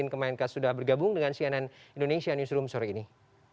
kemenkes sudah bergabung dengan cnn indonesia newsroom sore ini